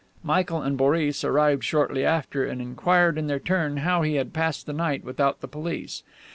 Michael and Boris arrived shortly after, and inquired in their turn how he had passed the night without the police.